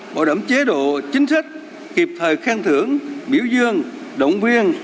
bảo đảm chế độ chính sách kịp thời khen thưởng biểu dương động viên